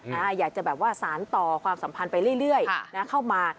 อยากจะแบบว่าสารต่อความสัมพันธ์ไปเรื่อยเข้ามา